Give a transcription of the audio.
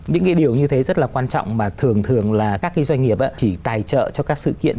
những cái điều như thế rất là quan trọng mà thường thường là các cái doanh nghiệp chỉ tài trợ cho các sự kiện